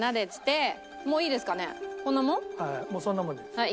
はい。